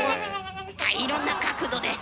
あっいろんな角度で。